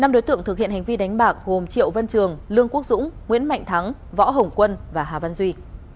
năm đối tượng thực hiện hành vi đánh bạc gồm triệu văn trường lương quốc dũng nguyễn mạnh thắng võ hồng quân và hà văn duy